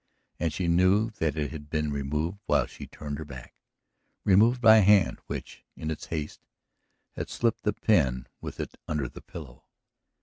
And she knew that it had been removed while she turned her back, removed by a hand which, in its haste, had slipped the pen with it under the pillow.